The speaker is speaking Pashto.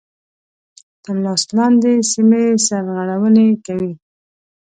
تر لاس لاندي سیمي سرغړوني کوي.